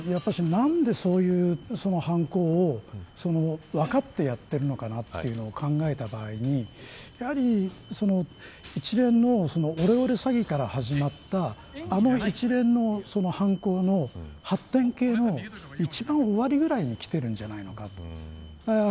なぜそういう犯行を分かってやっているのかということを考えた場合やはり一連のオレオレ詐欺から始まった一連の犯行の発展系の一番終わりぐらいにきているんじゃないかと。